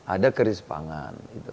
ada krisis pangan